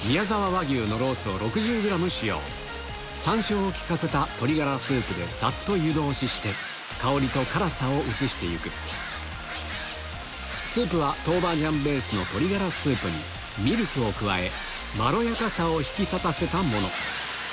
和牛のロースを６０ｇ使用山椒を利かせた鶏がらスープでさっと湯通しして香りと辛さを移して行くスープは豆板醤ベースの鶏がらスープにミルクを加えまろやかさを引き立たせたもの